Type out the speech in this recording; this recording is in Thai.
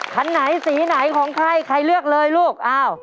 คันไหนสีไหนของใครใครเลือกเลยลูก